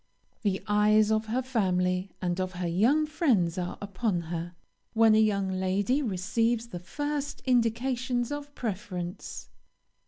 "The eyes of her family and of her young friends are upon her, when a young lady receives the first indications of preference.